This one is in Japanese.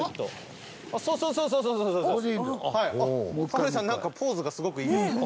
タモリさんなんかポーズがすごくいいです。